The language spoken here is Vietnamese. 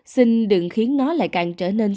xin đừng khiến nó lại càng trở nên